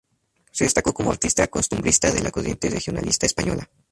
Se destacó como artista costumbrista de la corriente regionalista española.